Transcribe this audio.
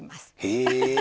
へえ！